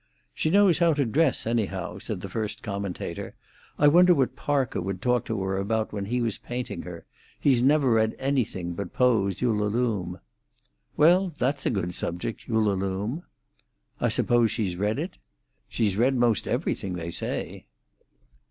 "She knows how to dress, anyhow," said the first commentator. "I wonder what Parker would talk to her about when he was painting her. He's never read anything but Poe's 'Ullalume.'" "Well, that's a good subject—'Ullalume.'" "I suppose she's read it?" "She's read 'most everything, they say."